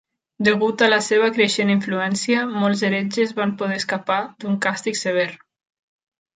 Degut a la seva creixent influència, molts heretges van poder escapar d'un càstig sever.